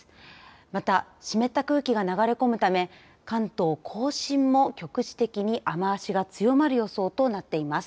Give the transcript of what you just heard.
また湿った空気が流れ込むため関東甲信も局地的に雨足が強まる予想となっています。